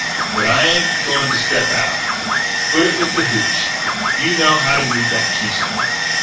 But I ain't a going to step out. Put it with the hootch. You know how to move that keystone?"